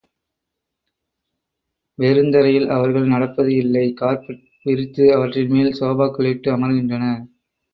வெறுந்தரையில் அவர்கள் நடப்பது இல்லை கார்ப்பெட் விரித்து அவற்றின் மேல் சோபாக்கள் இட்டு அமர்கின்றனர்.